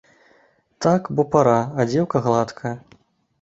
Так, бо пара, а дзеўка гладкая.